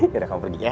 yaudah kamu pergi ya